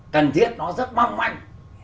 cần thiết nó rất mong manh